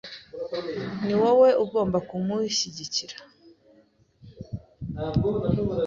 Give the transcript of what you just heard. Ni wowe ugomba kumushyigikira.